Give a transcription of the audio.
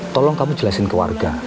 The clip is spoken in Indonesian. tolong kamu jelasin ke warga